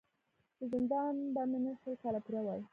د زندان به مي نن شل کاله پوره وای